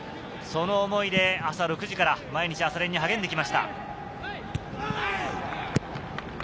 その思いで朝６時から毎日朝練に励んできました。